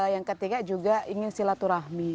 yang ketiga juga ingin silaturahmi